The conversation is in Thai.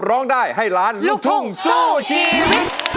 ร้องได้ให้ล้านลูกทุ่งสู้ชีวิต